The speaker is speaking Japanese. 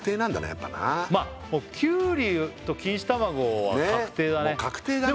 やっぱなもうきゅうりと錦糸卵は確定だねもう確定だね